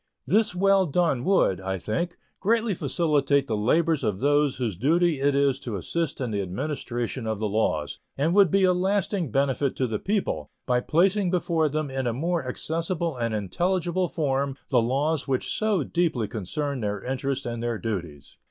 This well done would, I think, greatly facilitate the labors of those whose duty it is to assist in the administration of the laws, and would be a lasting benefit to the people, by placing before them in a more accessible and intelligible form the laws which so deeply concern their interests and their duties.